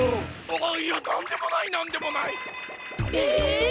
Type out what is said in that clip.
いや何でもない何でもない！え！？